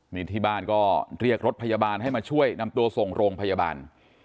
นี่ที่บ้านก็เรียกรถพยาบาลให้มาช่วยนำตัวส่งโรงพยาบาล